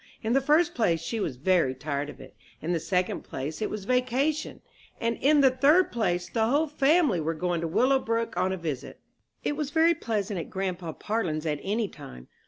In the first place she was very tired of it, in the second place it was vacation, and in the third place the whole family were going to Willowbrook on a visit. It was very pleasant at grandpa Parlin's at any time.